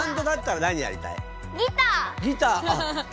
ギター！